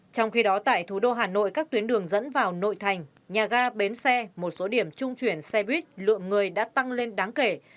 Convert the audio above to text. trong khi đó tại thủ đô hà nội các tuyến đường dẫn vào nội thành nhà ga bến xe một số điểm trung chuyển xe buýt lượng người đã tăng lên đáng kể